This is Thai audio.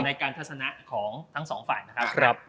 ในการทัศนาของทั้ง๒ฝ่ายนะครับ